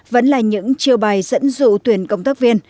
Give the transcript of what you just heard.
vẫn là những chiêu bài dẫn dụ tuyển công tác viên